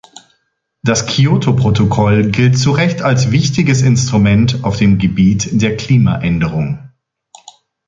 Das Kyoto-Protokoll gilt zu Recht als wichtiges Instrument auf dem Gebiet der Klimaänderung.